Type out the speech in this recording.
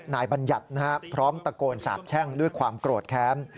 บัญญัติพร้อมตะโกนสาบแช่งด้วยความโกรธแค้น